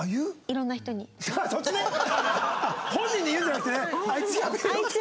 本人に言うんじゃなくて？